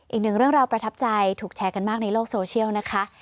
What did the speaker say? อีกหนึ่งเรื่องราวประทับใจถูกแชร์กันมากในโลกโซเชียลนะคะ